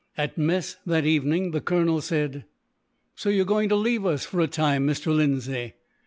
At mess, that evening, the colonel said: "So you are going to leave us, for a time, Mr. Lindsay.